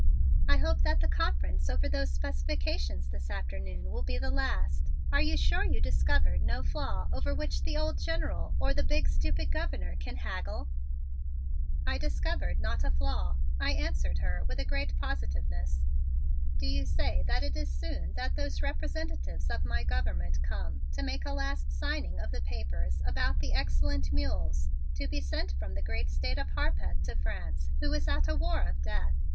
I hope that the conference over those specifications this afternoon will be the last. Are you sure you discovered no flaw over which the old General or the big stupid Governor can haggle?" "I discovered not a flaw," I answered her with a great positiveness. "Do you say that it is soon that those representatives of my government come to make a last signing of the papers about the excellent mules to be sent from the great State of Harpeth to France who is at a war of death?